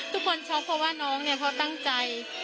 ทุกคนช็อกเพราะว่าน้องเนี่ยเขาตั้งใจ